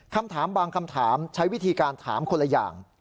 คำถามบางคำถามใช้วิธีการถามคนละอย่าง